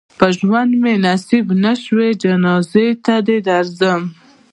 په ژوند مې نصیب نه شوې جنازې ته دې درځم.